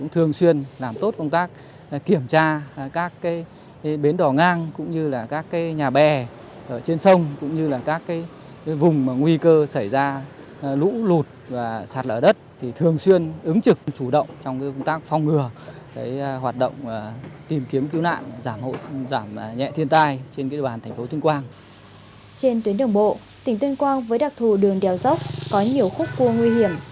trên tuyến đường bộ tỉnh tuyên quang với đặc thù đường đèo dốc có nhiều khúc cua nguy hiểm